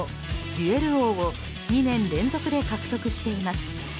デュエル王を２年連続で獲得しています。